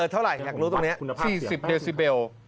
เท่าไหร่อยากรู้ตรงนี้๔๐เดซิเบล